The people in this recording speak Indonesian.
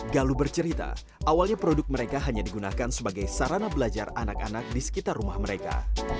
galu bercerita awalnya produk mereka hanya digunakan sebagai sarana belajar anak anak di sekitar rumah mereka